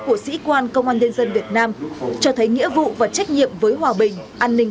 của sĩ quan công an liên dân việt nam cho thấy nghĩa vụ và trách nhiệm với hòa bình an ninh